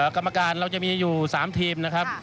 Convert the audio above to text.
กรรมการเราจะมีอยู่๓ทีมนะครับ